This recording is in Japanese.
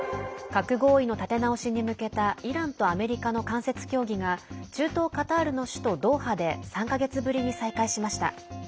核合意の立て直しに向けたイランとアメリカの間接協議が中東カタールの首都ドーハで３か月ぶりに再開しました。